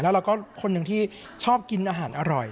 แล้วเราก็คนหนึ่งที่ชอบกินอาหารอร่อย